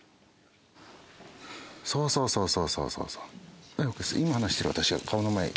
そうそうそうそうそうそうそう。